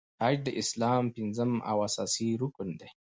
حج د اسلام پنځم او اساسې رکن دی .